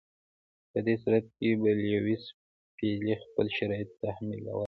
په دې صورت کې به لیویس پیلي خپل شرایط تحمیلولای.